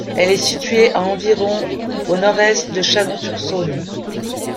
Elle est située à environ au nord-est de Chalon-sur-Saône.